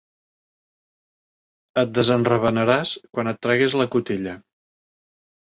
Et desenravenaràs quan et treguis la cotilla.